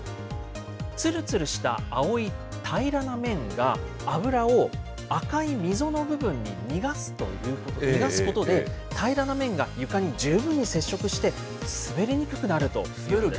つるつるした青い平らな面が、油を赤い溝の部分に逃がすことで、平らな面が床に十分に接触して、滑りにくくなるというんです。